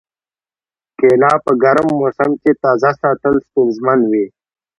کېله په ګرم موسم کې تازه ساتل ستونزمن وي.